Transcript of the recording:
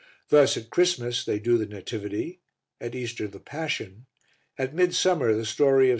Thus, at Christmas they do the Nativity, at Easter the Passion, at Midsummer the story of S.